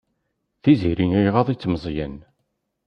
Tiziri iɣaḍ-itt Meẓyan.